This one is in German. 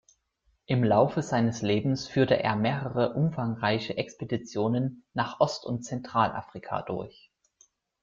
Im Laufe seines Lebens führte er mehrere umfangreiche Expeditionen nach Ost- und Zentralafrika durch.